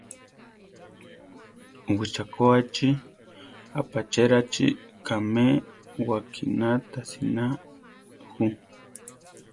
Wichakoáchi, apachérachi kame wakiná tasina ju.